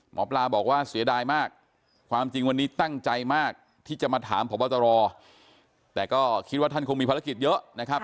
หมอปลาบอกว่าเสียดายมากความจริงวันนี้ตั้งใจมากที่จะมาถามพบตรแต่ก็คิดว่าท่านคงมีภารกิจเยอะนะครับ